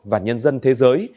và nhân dân thế giới